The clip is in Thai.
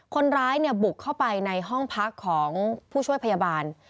คนร้ายบุกเข้าไปในห้องพักของผู้ช่วยพยาบาล